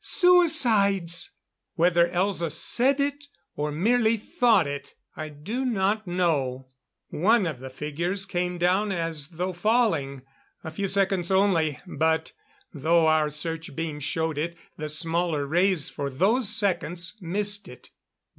"Suicides!" Whether Elza said it, or merely thought it I do not know. One of the figures came down as though falling. A few seconds only; but though our search beam showed it, the smaller rays for those seconds missed it.